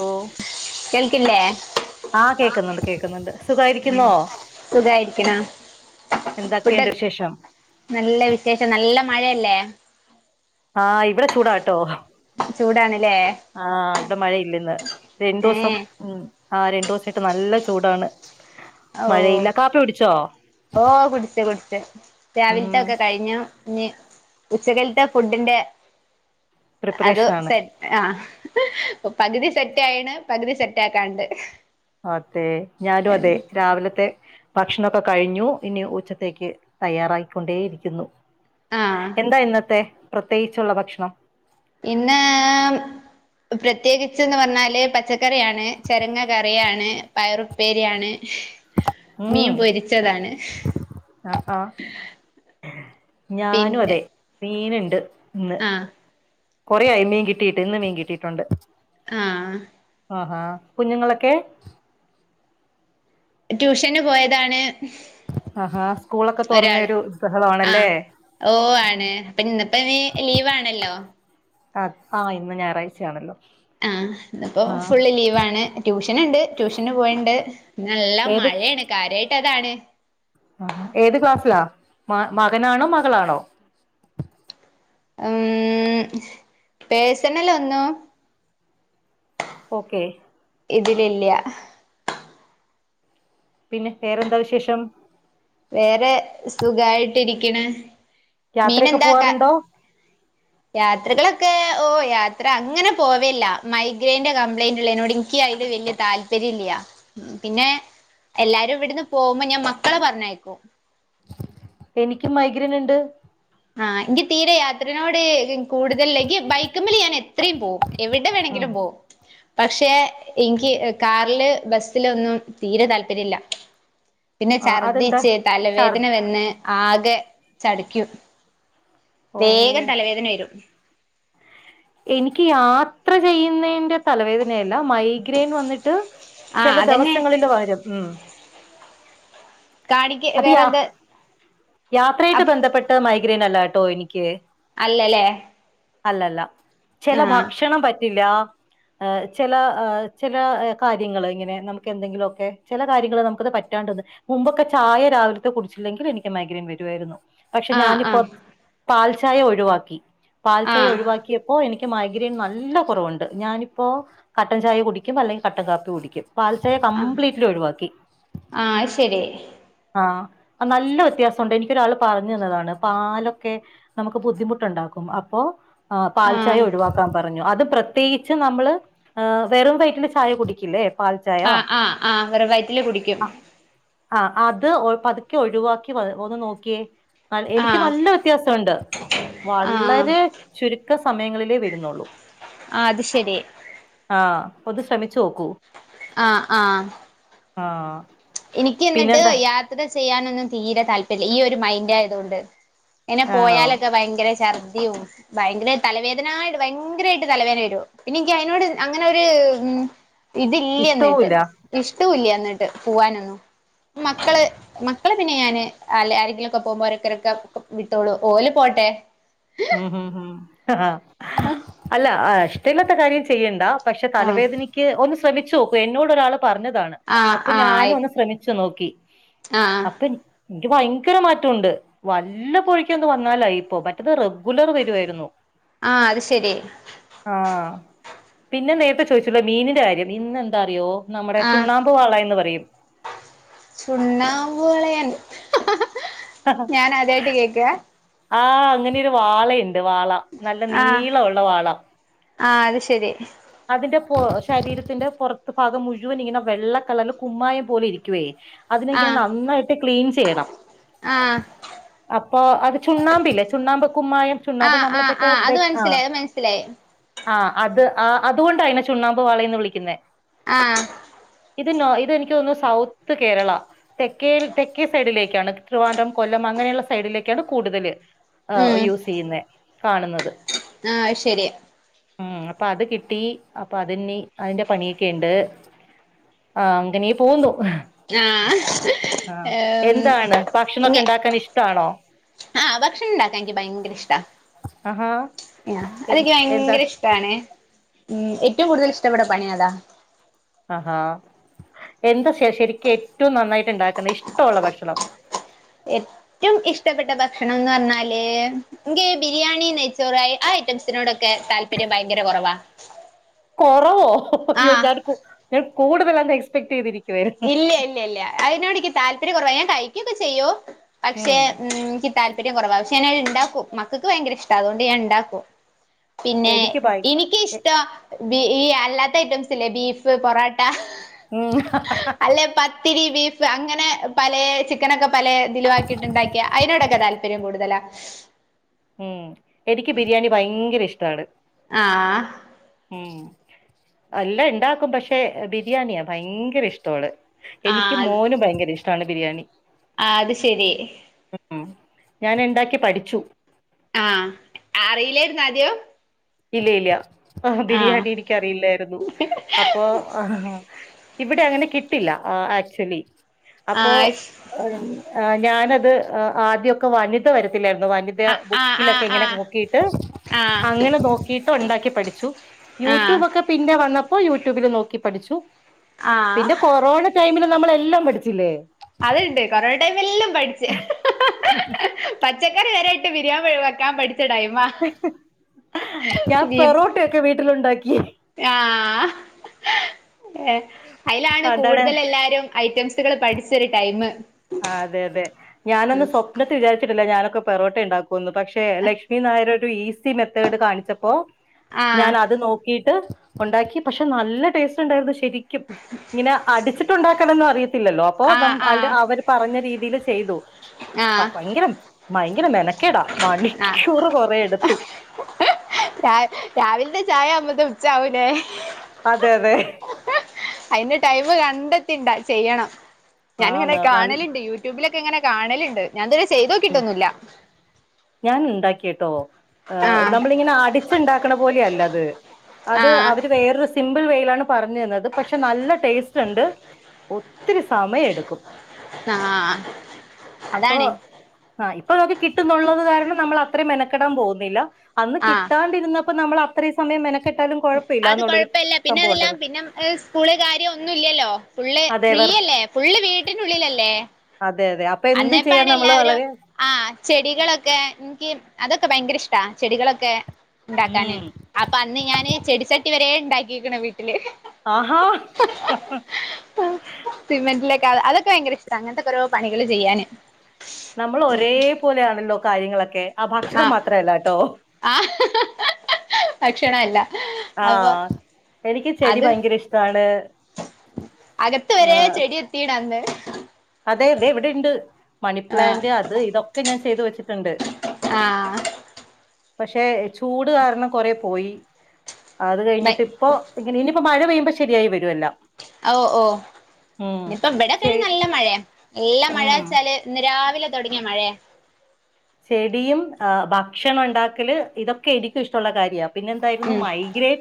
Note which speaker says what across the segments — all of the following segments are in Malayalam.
Speaker 1: ഓ
Speaker 2: എൻക്ക്ല്ലേ
Speaker 1: ആ കേക്കുന്നുണ്ട് കേക്കുന്നുണ്ട് സുഖായിരിക്കുന്നോ
Speaker 2: വിടെ
Speaker 1: എന്തൊക്കെയുണ്ട് വിശേഷം
Speaker 2: നല്ല വിശേഷം നല്ല മഴയല്ലേ
Speaker 1: ആ ഇവിടെ ചൂടാട്ടോ ഹ
Speaker 2: ചൂടാനേ
Speaker 1: ആ ഇവിടെ മഴ ഇല്ലന്ന്
Speaker 2: ഏ
Speaker 1: രണ്ടുസം ഉം ആ രണ്ടുസായിട്ട് നല്ല ചൂ ചൂടാണ്
Speaker 2: ഓ
Speaker 1: മഴയില്ല കാപ്പി കുടിച്ചോ
Speaker 2: ഓ കുടിച്ച് കുടിച്ച്
Speaker 1: ഉം
Speaker 2: രാവിൽത്തൊക്കെ കഴിഞ്ഞു ഇഞ് ഉച്ചകൽത്തെ ഫുഡിന്റെ അത്
Speaker 1: പ്രിപ്പറേഷനാണ്
Speaker 2: സെറ്റ് ആ പകുതി സെറ്റ് ആയണ് പകുതി സെറ്റ് ആക്കാണ്ട്
Speaker 1: അതെ ഞാനു അതെ രാവിലെ ത്തെ ഭക്ഷണൊക്കെ കഴിഞ്ഞു ഇനി ഉച്ചത്തേക്ക് തയ്യാറായിക്കൊണ്ടേയിരിക്കുന്നു
Speaker 2: ആ
Speaker 1: എന്താ ഇന്നത്തെ പ്രത്യേകിച്ചുള്ള ഭക്ഷണം
Speaker 2: ഇന്ന് പ്രത്യേകിച്ച്ന്ന് പറഞ്ഞാല് പച്ചക്കറിയാണ് ചെരങ്ങ കറിയാണ് പയറുപ്പേരിയാണ്
Speaker 1: ഉം
Speaker 2: മീൻ പൊരിച്ചതാണ്
Speaker 1: ആഹ് ആഹ് ഞാനും
Speaker 2: പിന്നെ
Speaker 1: അതെ മീന് ണ്ട് ഇന്ന്
Speaker 2: ആ
Speaker 1: കൊറയായി മീൻ കിട്ടിയിട്ട് ഇന്ന് മീൻ കിട്ടിയിട്ടുണ്ട്
Speaker 2: ആഹ്
Speaker 1: അഹാ കുഞ്ഞുങ്ങളൊക്കെ
Speaker 2: ട്യൂഷന് പോയതാണ്
Speaker 1: ആഹാ സ്കൂളൊക്കെ
Speaker 2: ഒരാള്
Speaker 1: തുറന്നയൊരു ബഹളാണല്ലേ
Speaker 2: ആഹ് ഓ ആണ് അപ്പൊ ഇന്ന്‌പ്പോ ഇനി ലീവാണല്ലോ
Speaker 1: ആ ആ ഇന്ന് ഞായറാഴ്ചയാണല്ലോ
Speaker 2: ആഹ് ഇന്നിപ്പോ
Speaker 1: ആഹ്
Speaker 2: ഫുള്ള് ലീവാണ് ട്യൂഷൻ ഉണ്ട് ട്യൂഷൻ ന് പോയണ്ട് നല്ല മഴയാണ് കാര്യായിട്ട് അതാണ്
Speaker 1: ആ ഏത് ക്ലാസ്സിലാ മ മകനാണോ മകളാണോ
Speaker 2: ഉം പേഴ്സണലൊന്നും
Speaker 1: ഓക്കെ
Speaker 2: ഇതിലില്ല
Speaker 1: പിന്നെ വേറെന്താ വിശേഷം
Speaker 2: വേറെ സുഖായിട്ടിരിക്കണ്‌
Speaker 1: യാത്രയൊക്കെ പോവാറുണ്ടോ
Speaker 2: യാത്രകളൊക്കെ ഓ യാത്ര അങ്ങനെ പോവേല്ല മൈഗ്രൈന്റെ കംപ്ലൈന്റ് ഉള്ളെന്നോട് ത് വല്യ താല്പര്യം ഇല്ല പിന്നെ എല്ലാരും ഇവിടെന്ന് പോകുമ്പോ ഞാൻ മക്കളെ പറഞ്ഞയക്കും
Speaker 1: എനിക്ക് മൈഗ്രൻ ഉണ്ട്
Speaker 2: ആ എനിക്ക് തീരെ യാത്രനോട് കൂടുതലെനിക്ക് ബൈക്ക്മ്മൽ ഞാൻ എത്രയും പോവും എവിടെ
Speaker 1: ഉം
Speaker 2: വേണങ്കിലും പോവും പക്ഷേ എനിക്ക് കാറില് ബസില് ഒന്നും തീരെ താല്പര്യ ഇല്ല പിന്നെ
Speaker 1: ആഹ് അതെന്താ
Speaker 2: ഛർദിച്ച്
Speaker 1: ഛർ
Speaker 2: തലവേദന വന്ന് ആകെ ചടിക്കും
Speaker 1: ഓ
Speaker 2: വേഗം തലവേദന വരും
Speaker 1: എനിക്ക് യാത്ര ചെയ്യുന്നതിന്റെ തലവേദനായി ല്ല മൈഗ്രെൻ വന്നിട്ട്
Speaker 2: ആ
Speaker 1: ചില
Speaker 2: അതന്നെ
Speaker 1: ദിവസങ്ങളിൽ വരും ഉം
Speaker 2: കാണിക്ക്
Speaker 1: അതിയ
Speaker 2: വേറെ എന്താ
Speaker 1: യാത്രയായിട്ട് ബന്ധപ്പെട്ട് മൈ ഗ്രൈനല്ലാട്ടോ എനിക്ക്
Speaker 2: അല്ലല്ലേ
Speaker 1: അല്ലല്ല ചെല
Speaker 2: ആഹ്
Speaker 1: ഭക്ഷണം പറ്റില്ല ചെല ചെല കാര്യങ്ങൾ ഇങ്ങനെ നമുക്ക് എന്തെങ്കിലുഒക്കെ ചില കാര്യങ്ങൾ നമുക്ക്ത് പറ്റാ ണ്ടത് മുമ്പൊക്കെ ചായ രാവിലത്ത കുടിച്ചില്ലെങ്കിൽ എനിക്ക് മൈഗ്രൈൻ വരുവായിരുന്നു പക്ഷെ
Speaker 2: ആഹ്
Speaker 1: ഞാനിപ്പോ
Speaker 2: ആഹ്
Speaker 1: പാൽചായ ഒഴിവാക്കി പാൽചായ
Speaker 2: ആഹ്
Speaker 1: ഒഴിവാക്കിയപ്പോ എനിക്ക് മൈഗ്രെയിൻ നല്ല കുറവുണ്ട് ഞാനിപ്പോ കട്ടൻ ചായ കുടിക്കും അല്ലെങ്കിൽ കട്ടൻ കാപ്പി കുടിക്കും പാൽചായ
Speaker 2: ആഹ്
Speaker 1: കംപ്ലീറ്റ്ലി ഒഴിവാക്കി
Speaker 2: ആഹ് അത് ശരി
Speaker 1: ആ നല്ല വ്യത്യാസുണ്ട് എനിക്കൊരാൾ പറഞ് തന്നതാണ് പാലൊക്കെ നമുക്ക് ബുദ്ധിമുട്ടുണ്ടാക്കും അപ്പൊ ആ പാൽചായ
Speaker 2: ആഹ്
Speaker 1: ഒഴിവാക്കാൻ പറഞ്ഞു അത് പ്രത്യേകിച്ച് നമ്മള് വേറും വയിട്ടിന് ചായ കുടിക്കില്ലേ പാൽച്ചായ
Speaker 2: ആ ആ ആ വെറും വയറ്റില് കുടിക്കും
Speaker 1: ആ അത് പതുക്കെ ഒഴിവാക്കി ഒന്ന് നോക്കിയേ എനിക്ക്
Speaker 2: ആഹ്
Speaker 1: നല്ല വ്യത്യാസംഉണ്ട്
Speaker 2: ആഹ്
Speaker 1: വളരെ മിക്ക സമയങ്ങളിലേ വരുന്നുള്ളൂ
Speaker 2: ആ അത് ശരി
Speaker 1: ആ അപ്പൊന്നു ശ്രമിച്ചു നോക്കൂ
Speaker 2: ആ ആ
Speaker 1: ആ
Speaker 2: എനിക്ക് എന്നിട്ട് യാത്ര ചെയ്യാനൊന്നും തീരെ താല്പര്യല്ല ഈ ഒരു മൈൻഡ് ആയതോണ്ട് ഇനെ
Speaker 1: ആണോ
Speaker 2: പോയാലൊക്കെ ഭയങ്കര ചർ ദിയും ഭയങ്കര തലവേദനായിട്ട് ഭയങ്കരായിട്ട് തലവേദന വരും പിന്നെ എനിക്ക് അതിനോട് അങ്ങനെ ഒരു ഇതില്ല എന്നിട്ട്
Speaker 1: ഇഷ്ടവുല്ല
Speaker 2: ഇഷ്ടവൂല്യ എന്നിട്ട് പോവാനൊന്നും മക്കള് മക്കളെ പിന്നെ ഞാന് അല്ല ആരെങ്കിലുംഒക്കെ പോകുമ്പോരക്കരൊക്ക വിട്ടോളൂ ഓല് പോ ട്ടെ
Speaker 1: ആ അല്ല ഇഷ്ടമല്ലാത്ത കാര്യം ചെയ്യണ്ട പക്ഷെ
Speaker 2: ആഹ്
Speaker 1: തലവേദനയ്ക്ക് ഒന്ന് ശ്രമിച്ചു നോക്കു എന്നോട് ഒരാള് പറഞ്ഞതാണ്
Speaker 2: ആഹ്
Speaker 1: അപ്പൊ
Speaker 2: ആഹ് ആയി
Speaker 1: ഞാനും ഒന്ന് ശ്രമിച്ചു നോക്കി
Speaker 2: ആഹ്
Speaker 1: അപ്പൊ എനിക്ക് ഭയങ്കര മാറ്റംുണ്ട് വല്ല പൊഴക്ക് ഒന്ത് വന്നാലായി ഇപ്പൊ മറ്റത് ഗുലർ വരുായിരുന്നു
Speaker 2: ആഹ് അത് ശരി
Speaker 1: ആഹ പിന്നെ നേരത്തെ ചോദിച്ചല്ലോ മീനിന്റെ കാര്യം മീന്ന് എന്താറിയോ നമ്മുടെ
Speaker 2: ആഹ്
Speaker 1: ചുണ്ണാമ്പു വാള എന്ന് പറയും
Speaker 2: ചുണ്ണാമ്പ് വളയൻ ഞാൻ അതായിട്ട് കേക്കുക
Speaker 1: ആഹ അങ്ങനെയരു വാളയുണ്ട് വാള നല്ല
Speaker 2: ആഹ്
Speaker 1: നീളമള്ള വാള
Speaker 2: ആഹ് അത് ശരി
Speaker 1: അതിന്റെ പു ശരീരത്തിന്റെ പുറത്ത് ഭാഗം മുഴുവൻ ഇങ്ങനെ വെള്ളക്ക കളർ കുമ്മായം പോലെ ഇരിക്കുവയേ അതിനെങ്ങനെ
Speaker 2: ആഹ്
Speaker 1: നന്നായിട്ട് ക്ലീൻ ചെയ്യണം
Speaker 2: ആഹ്
Speaker 1: അപ്പ് അപ്പൊ അത് ചുണ്ണാമ്പ് ല്ലേ ചുണ്ണാമ്പ് കുമ്മായം ചുണ്ണാമ്പ്
Speaker 2: ആഹ്
Speaker 1: നമ്മളെ
Speaker 2: ആഹ്
Speaker 1: പറ്റേ
Speaker 2: ആഹ്
Speaker 1: വെ
Speaker 2: അത്
Speaker 1: ആഹ്
Speaker 2: മനസ്സിലായി അത് മനസ്സിലായി
Speaker 1: ആഹ് അത് ആഹ് അതൊണ്ടായിനെ ചുണ്ണാമ്പ് വാളയിന്ന് വിളിക്കുന്നേ
Speaker 2: ആഹ്
Speaker 1: ഇത് നോ ഇതനിക്ക് തോന്നുന്നെ സൗത്ത് കേരള തെക്കേ തെക്കേ സൈഡിലേക്കാണ് ട്രിവാൻഡ്രം കൊല്ലം അങ്ങന അങ്ങനെയുള്ള സൈഡിലേക്കെയാണ് കൂടുതൽ
Speaker 2: ഉം
Speaker 1: യൂസ് ചെയ്യുന്നത് കാണുന്നത്
Speaker 2: ആഹ് അയ് ശരിയ
Speaker 1: ഉമ് അപ്പൊ അത് കിട്ടി അപ്പൊ അതിനി അതിന്റെ പണിയൊക്കെണ്ട് ആഹ് അങ്ങനെ പോന്നു
Speaker 2: ആഹ്
Speaker 1: ആഹ്
Speaker 2: ഏം
Speaker 1: എന്താണ് ഭക്ഷണം
Speaker 2: ഇങ്ങ
Speaker 1: ക്കെ ഇണ്ടാക്കാൻ ഇഷ്ടാണോ
Speaker 2: ആഹ് ഭക്ഷണം ഇണ്ടാക്കാ എനിക്ക് ഭയങ്കര ഇഷ്ട
Speaker 1: ആഹാ എ
Speaker 2: അതെനിക്ക്
Speaker 1: എന്താ
Speaker 2: ഭയങ്കര ഇഷ്ടാണെ ഉമ് ഏറ്റവും കൂടുതൽ ഇഷ്ടപ്പെട്ട പണിയതാ
Speaker 1: ആഹ് ഹ് എന്താ ശേഷം ശരിക്കും ഏറ്റവും നന്നായിട്ട് ഇണ്ടാക്കുന്ന ഇഷ്ടള്ള ഭക്ഷണം
Speaker 2: ഏറ്റും ഇഷ്ടപ്പെട്ട ഭക്ഷണം എന്ന് പറഞ്ഞാല് ഇങ്കി ബിരിയാണി നെയച്ചോർ ആയി ഐറ്റംസിനോടൊക്കെ താല്പര്യം ഭയങ്കര കോറവാ
Speaker 1: കൊറോവോ അയ്യോ ഞാൻ ഞാൻ കൂടുതൽ അങ്ങ് എക്സ്പെക്ട് ചെയ്തിരി
Speaker 2: ഇല്ല ഇല്ല ഇല്ല അയ്നോട്ക്ക് താല്പര്യം കൊറവാ ഞാൻ കഴിക്കുക്കെ ചെയ്യും പക്ഷെ ഉം ഇൻക്ക് താല്പര്യം കൊറവ ഞാനഹ് ഇണ്ടാക്കും മക്കക്ക് ഭയങ്കര ഇഷ്ടാ അതു കൊണ്ട് ഞാൻ ഇണ്ടാക്കും. പിന്നെ
Speaker 1: എനിക്ക് ഭയ
Speaker 2: ഇനിക്കിഷ്ടം ഈ അല്ലാത്ത ഐറ്റംസ് ഇല്ലേ ബീഫ്, പൊറോട്ട,
Speaker 1: [unintelligible]
Speaker 2: അല്ലെ പത്തിരി, ബീഫ്, അങ്ങനെ പലെ ചിക്കനൊക്കെ പലെ ദിലുവാക്കിട്ട്ണ്ടാക്കിയ അയ്നോടൊക്കെ താൽപര്യം കൂടുതലാ
Speaker 1: ഉം എനിക്ക് ബിരിയാണി ഭയങ്കര ഇഷ്ട്ടാണ്
Speaker 2: ആഹ്
Speaker 1: ഉം അലേം ഇണ്ടാക്കും പക്ഷെ ബിരിയാണിയാ ഭയങ്കര ഇഷ്ടോള്ളെ എനിക്കും
Speaker 2: ആഹ്
Speaker 1: മോനും ഭയങ്കര ഇഷ്ട്ടാണ് ബിരിയാണി
Speaker 2: ആഹ് അത് ശെരി
Speaker 1: ഉം ഞാന് ഇണ്ടാക്കി പഠിച്ചു
Speaker 2: ആഹ് അറിയില്ലേര്ന്നോ ആദ്യം
Speaker 1: ഇല്ല്യ ഇല്ല്യ ആഹ് ബിരിയാണി എനിക്കറിയില്ലായിരുന്നു അപ്പോ ഇവിടെ അങ്ങ കിട്ടില്ല ഏക്ചോലി അപ്പൊ
Speaker 2: ആഹ്
Speaker 1: [unintelligible] ഞാനത് ആദ്യക്കെ വനിത വെരെ [unintelligible] വനിത
Speaker 2: ആഹ്
Speaker 1: ബുക്കിലൊക്കെ
Speaker 2: ആഹ്
Speaker 1: ഇങ്ങനെ
Speaker 2: ആഹ്
Speaker 1: നോക്കിട്ട്
Speaker 2: ആഹ്
Speaker 1: അങ്ങനെ നോ ഉണ്ടാക്കി പഠിച്ചു.
Speaker 2: ആഹ്
Speaker 1: യൂട്യൂബ് ഒക്കെ പിന്നെ വന്നപ്പോ യൂട്യൂബില് നോക്കി പഠിച്ചു.
Speaker 2: ആഹ്
Speaker 1: പിന്നെ കൊറോണ ടൈമില് നമ്മള് എല്ലാം പഠിച്ചില്ലേ?
Speaker 2: അത്ണ്ട് കൊറോ ടൈമില് എല്ലം പഠിച്ച് [unintelligible] പച്ചക്കറി വരെയിട്ട് ബിരിയാം വെക്കാൻ പട്
Speaker 1: ഞാൻ പെറോട്ടൊക്കെ വീട്ട്ലുണ്ടാക്കി
Speaker 2: ആഹ് ഏഹ് അയിലാണ്
Speaker 1: അതാണ്
Speaker 2: കൂടുതൽ എല്ലാരും ഐറ്റംസുകള് പഠിച്ചൊരു ടൈമ്.
Speaker 1: ആഹ് അതെ അതെ ഞാനൊന്ന് സ്വപ്നത്ത് വിചാരിച്ചിട്ടില്ല ഞാനൊക്കെ പെറോട്ട ഇണ്ടാ കുന്ന് പക്ഷെ ലക്ഷ്മി നായർ ഒരു ഈസി മെത്തേഡ് കാണിച്ചപ്പോ
Speaker 2: ആഹ്
Speaker 1: ഞാൻ അത് നോക്കിയിട്ട് ഉണ്ടാക്കി പക്ഷെ നല്ല ടേസ്റ്റ് ഇണ്ടായിരുന്നു ശ് ശരിക്കും ഇങ്ങനെ അടിച്ചിട്ടുണ്ടാക്കണം അറിയത്തില്ലല്ലോ അപ്പൊ
Speaker 2: ആഹ് ആഹ്
Speaker 1: [unintelligible] അവർ പറഞ്ഞ രീതിൽ ചെയ്തു
Speaker 2: ആഹ്
Speaker 1: ഭയങ്കര ഭയങ്കര മെനക്കേടാ
Speaker 2: ആഹ്
Speaker 1: മണിക്കൂറ് കൊറെ എടുത്തു
Speaker 2: രാ രാവിലത്തെ ചായ അമ്മ തു ഉച്ചാവലേ
Speaker 1: അതെ അതെ
Speaker 2: അതിന്റെ ടൈമ് കണ്ടത്തിണ്ട ചെയ്യണം
Speaker 1: ആ
Speaker 2: ഞാാനിങ്ങനെ
Speaker 1: നിർ- നൽ
Speaker 2: കാണലുണ്ട് യൂട്യൂബിലൊക്കെ ഇങ്ങനെ കാണലുണ്ട് ഞാൻഇതുവരെ ചെയ്തോക്കിട്ടൊന്നുമില്ല
Speaker 1: ഞാൻ ഇണ്ടാക്കിട്ടോ. നമ്മളിങ്ങനെ അടിച്ചുണ്ടാക്കണ പോലെയല്ല അത് അത്
Speaker 2: ആഹ്
Speaker 1: അവര് വേറൊരു സിമ്പിൾ വേയിലാണ് പറഞ്ഞു തന്നത് പക്ഷെ നല്ല ടേസ്റ്റ് ഉണ്ട് ഒത്തിരി സമയം എടുക്കും
Speaker 2: ആഹ അതാണേ
Speaker 1: ആ ഇപ്പൊ അതൊക്കെ കിട്ടുന്നത് കാരണം നമ്മൾ അത്ര മെനക്കെടാൻ പോകുന്നില്ല അന്ന്
Speaker 2: ആഹ്
Speaker 1: കിട്ടാണ്ടിരുന്നപ്പോ നമ്മൾ അത്രയും സമയം മെനക്ക്-
Speaker 2: അത് കൊഴപ്പല്ല പിന്നെ അതെല്ലാം
Speaker 1: ഉണ്ടല്ലോ
Speaker 2: പിന്നെ സ്കൂള് കാര്യം ഒന്നുംല്ലല്ലോ ഫുള്ള്
Speaker 1: അതെ വെർ
Speaker 2: ഫ്രീയല്ലേ ഫുള്ള് വീട്ടിനുള്ളിലല്ലേ
Speaker 1: അതെ അതെ അപ്പൊ എന്ത് ചെയ്യാൻ
Speaker 2: അന്നേപ്പാണ്
Speaker 1: നമ്മൾ
Speaker 2: എല്ലാവരും
Speaker 1: വളരെ
Speaker 2: ആ ചെടികളൊക്കെ എനിക്ക് അതൊക്കെ ഭയങ്കര ഇഷ്ടാ ചെടികളൊക്കെ ഉണ്ടാക്കാന്
Speaker 1: ഉം
Speaker 2: അപ്പൊ അന്ന് ഞാന് ചെടിച്ചട്ടി വരെ ഉണ്ടാക്കീക്കണ്‌ വീട്ടിൽ
Speaker 1: ആഹാ
Speaker 2: സിമൻ്റിലെക്കെ അതൊക്കെ ഭയങ്കര ഇഷ്ടമാണ് അങ്ങനത്തെ കുറോ പണികള് ചെയ്യാന്
Speaker 1: നമ്മൾ ഒരേ പോലെയാണല്ലോ കാര്യങ്ങളൊ കെ ആ ഭക്ഷണം
Speaker 2: ആഹ്
Speaker 1: മാത്രല്ല കേട്ടോ
Speaker 2: ഭക്ഷണം അല്ല
Speaker 1: ആഹ എനിക്ക് ചെടി
Speaker 2: അത്
Speaker 1: ഭയങ്കര ഇഷ്ടാണ്
Speaker 2: അകത്ത് വരെ ചെടി എത്തിടാന്ന്
Speaker 1: അതെ അതെ ഇവിടെ ഉണ്ട്
Speaker 2: ആഹ്
Speaker 1: മണിപ്ലാന്റ് അത് ഇതൊക്കെ ഞാൻ ചെയ്തു വെച്ചിട്ടുണ്ട്
Speaker 2: ആഹ
Speaker 1: പക്ഷേ ചൂട് കാരണം കൊറെ പോയി അത് കഴിഞ്ഞിട്ട ഇപ്പോ ഇന ഇനിപ്പോ മഴ പെയ്യുമ്പോ ശരിയായി വരും എല്ലാം
Speaker 2: ഓ ഓ
Speaker 1: ഉം
Speaker 2: ഇനിയിപ്പൊ ഇവിടെ
Speaker 1: ചെ
Speaker 2: കഴി നല്ല മഴയാ നല്ലാ മഴ
Speaker 1: ഉം
Speaker 2: വെച്ചാല് ഇന്ന് രാവിലെ തുടങ്ങിയ മഴയ
Speaker 1: ചെടിയും ഭക്ഷണം ഉണ്ടാക്കല് ഇതൊക്കെ എനിക്കും ഇഷ്ടമുള്ള കാര്യമാണ് പിന്നെന്തായിരുന്നു
Speaker 2: ഉം
Speaker 1: മൈഗ്രേൻ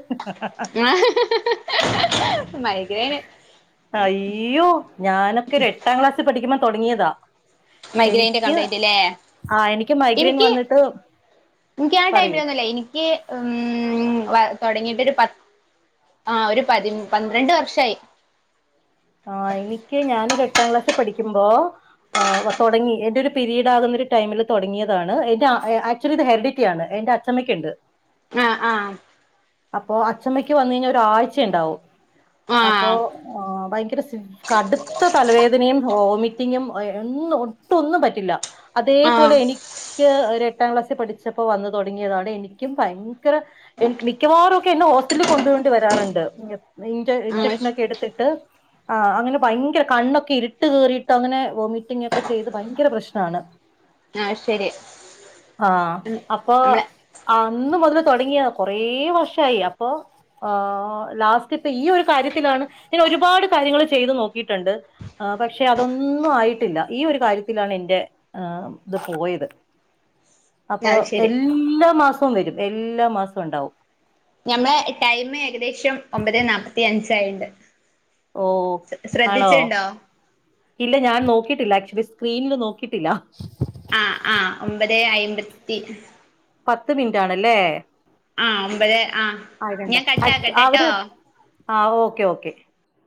Speaker 2: മൈഗ്രൈന്
Speaker 1: അയ്യോ ഞാനൊക്കെ ഒരു എട്ടാം ക്ലാസ്സിൽ പഠിക്കുമ്പ തുടങ്ങിയതാ
Speaker 2: മൈഗ്രൈന്റെ
Speaker 1: എനിക്ക്
Speaker 2: കംപ്ലൈന്റ് അല്ലേ
Speaker 1: ആ മൈഗ്രെയിൻ
Speaker 2: എനിക്ക്
Speaker 1: വന്നിട്ട്
Speaker 2: എനിക്ക് ആ
Speaker 1: പറയൂ
Speaker 2: ടൈമിലൊന്നല്ലേ എനിക്ക് ഉം ആ തുടങ്ങിട്ട് ഒരു പ ആ ഒരു പതി പന്ത്രണ്ട് വർഷയി
Speaker 1: ആ എനിക്ക് ഞാനൊരു എട്ടാം ക്ലാസ്സിൽ പഠിക്കുമ്പോ ആ തുടങ്ങി എന്റെ ഒരു പിരീഡ് ആകുന്ന ഒരു ടൈമിൽ തുടങ്ങിയതാണ് എന്റെ ആക്ച്വലി ഇത് ഹെറിഡിറ്റിയാണ് എന്റെ അച്ഛമ്മയ്ക്കുണ്ട്
Speaker 2: ആഹ ആഹ
Speaker 1: അപ്പൊ അച്ഛമ്മക്ക് വന്ന് കഴിഞ്ഞാൽ ഒരാഴ്ച ഉണ്ടാവും
Speaker 2: ആ
Speaker 1: അപ്പൊ ഇ കടുത്ത തലവേദനയും വൊമിറ്റിങ്ങും ഒും ഒട്ടൊന്നും ഒന്നും പറ്റില്ല
Speaker 2: ആ
Speaker 1: അതേപോലെ എനിക്ക് ഒരു എട്ടാം ക്ലാസ്സിൽ പഠിച്ചപ്പോ വന്ന് തുടങ്ങിയതാണ് എനിക്കും ഭയങ്കര എനിക്ക് മിക്കവാറും എന്നെ ഹോസ്പിറ്റലിൽ കൊണ്ടോണ്ട വരാറുണ്ട്
Speaker 2: ആ
Speaker 1: ഇൻജെക്ഷനൊക്കെ എടുത്തിട്ട് ആ അങ്ങനെ ഭയങ്കര കണ്ണൊക്കെ ഇരിട്ട് കേറിയിട്ട് അങ്ങനെ വോമിറ്റിംഗ ഒക്കെ ചെയ്ത് ഭയങ്കര പ്രശ്നമാണ്
Speaker 2: ആ ശരി
Speaker 1: ആഹ അപ്പൊ
Speaker 2: നമ്മളെ
Speaker 1: അന്ന് മുതൽ തുടങ്ങിയ കുറേ വർഷം ആയി അപ്പ ലാസ്റ്റ് ഈ കാര്യ ത്തിലാണ് ഇങ്ങെ ഒരുപാട് കാര്യങ്ങൾ ചെയ്ത് നോക്കിയിട്ടുണ്ട് പക്ഷെ അതൊന്നും ആയിട്ടില്ല ഈ ഒരു കാര്യത്തിലാണ് എന്റെ ആ ഇത് പോയത് അപ്പൊ
Speaker 2: അത് ശരി
Speaker 1: എല്ലാ മാസവും വരും എല്ലാ മാസവും ഉണ്ടാവും
Speaker 2: ഞമ്മെ ടൈമ് ഏകദേശം ഒമ്പത് നാല്പ്പത്തിയഞ്ച ആായിണ്ട്
Speaker 1: ഓ ആണോ ഇല്ല ഞാൻ നോക്കി ട്ടില്ല. ആക്ച്വലി സ്ക്രീനില് നോക്കിട്ടില്ല
Speaker 2: ആ ആഹ് ഒമ്പതേ അയ്മ്പത്തി
Speaker 1: പത്ത് മിനിറ്റ് ആണല്ലേ
Speaker 2: ആഹ ഒമ്പത് ആഹ ഞാൻ കട്ടാക്കട്ടോ
Speaker 1: ആ ഓക്കേ ഓക്കേ